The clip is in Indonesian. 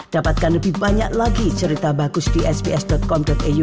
dapatkan lebih banyak lagi cerita bagus di sbs com au